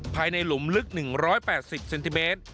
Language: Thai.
ภายในหลุมลึก๑๘๐เซนติเมตร